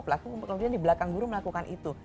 pelaku kemudian di belakang guru melakukan itu